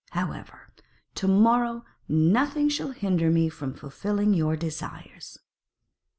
However, to morrow nothing shall hinder me from fulfilling your desires.'